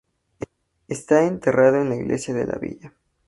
Está enterrado en la iglesia de la villa.